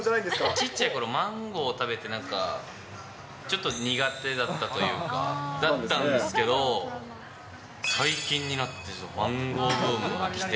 ちっちゃいころ、マンゴー食べて、なんかちょっと苦手だったというか、だったんですけど、最近になって、マンゴーブームが来て。